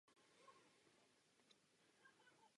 Velmi problematické bylo financování školy.